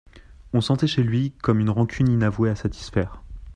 On sentait chez lui comme une rancune inavouée à satisfaire.